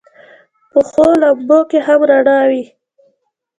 پخو لمبو کې هم رڼا وي